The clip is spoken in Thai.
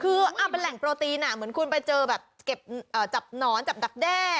คือเป็นแหล่งโปรตีนเหมือนคุณไปเจอแบบเก็บจับหนอนจับดักแด้